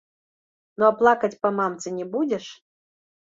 Ну, а плакаць па мамцы не будзеш?